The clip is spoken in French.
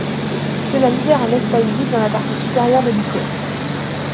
Cela libère un espace vide dans la partie supérieure de l'icône.